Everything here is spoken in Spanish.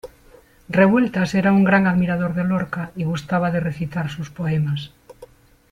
Revueltas era un gran admirador de Lorca y gustaba de recitar sus poemas.